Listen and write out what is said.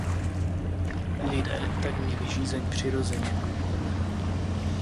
Lidé tak měli žízeň přirozeně.